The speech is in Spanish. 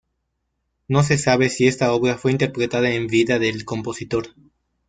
No se sabe si esta obra fue interpretada en vida del compositor.